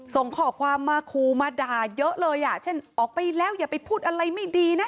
ส่งข้อความมาคูมาด่าเยอะเลยอ่ะเช่นออกไปแล้วอย่าไปพูดอะไรไม่ดีนะ